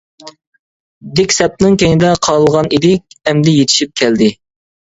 دىك سەپنىڭ كەينىدە قالغان ئىدى، ئەمدى يېتىشىپ كەلدى.